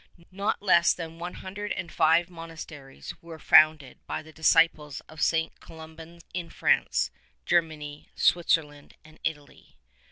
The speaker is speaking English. Not less than one hundred and five monasteries were founded by these disciples of St. Columban in France, Ger many, Switzerland, and Italy.